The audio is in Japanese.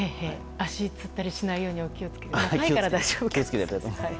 足つったりしないようにお気を付けください。